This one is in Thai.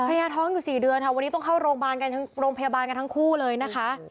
ภรรยาท้องอยู่สี่เดือนค่ะวันนี้ต้องเข้าโรงพยาบาลกันทั้งคู่เลยนะคะ